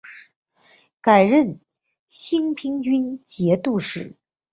改任兴平军节度使。